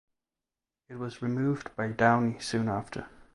It was removed by Downey soon after.